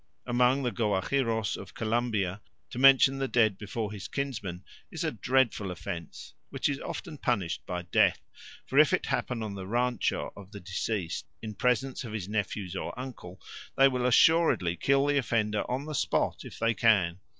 Among the Goajiros of Colombia to mention the dead before his kinsmen is a dreadful offence, which is often punished with death; for if it happens on the rancho of the deceased, in presence of his nephew or uncle, they will assuredly kill the offender on the spot if they can.